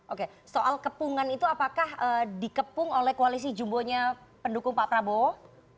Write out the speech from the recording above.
oke soal kepungan itu apakah dikepung oleh koalisi jumbonya pendukung pak prabowo